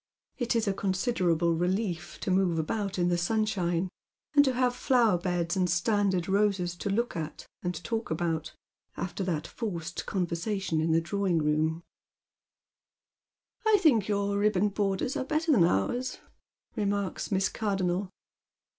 It is a considerable relief to move about in tlieaunsliinc, and Iiavo flower beds and standard roses to look at and talk about, af t«r that forced conversation in the drawing room. ]28 Dead Men's ahoes. "I think your ribbon borders are better than ours " remanca Miss Cardonnel.